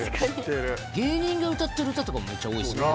芸人が歌ってる歌とかもめっちゃ多いですよね。